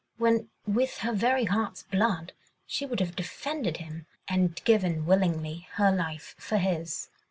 when with her very heart's blood, she would have defended him and given willingly her life for his.